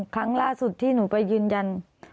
ครั้งล่าสุดที่หนูไปยืนยัน